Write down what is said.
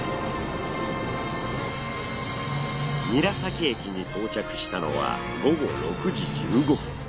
韮崎駅に到着したのは午後６時１５分。